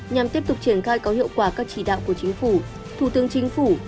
nhằm tiếp tục triển khai có hiệu quả các chỉ đạo của chính phủ thủ tướng chính phủ